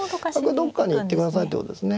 どっかに行ってくださいってことですね。